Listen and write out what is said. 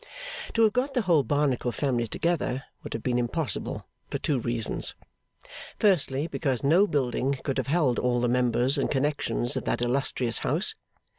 To have got the whole Barnacle family together would have been impossible for two reasons. Firstly, because no building could have held all the members and connections of that illustrious house.